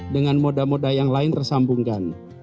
dengan moda moda yang lain tersambungkan